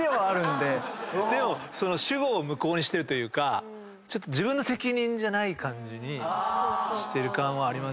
でも主語を向こうにしてるというか自分の責任じゃない感じにしてる感はあります。